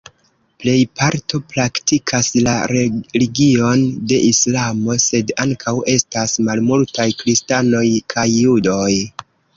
Plej parto praktikas la religion de Islamo, sed ankaŭ estas malmultaj kristanoj kaj judoj.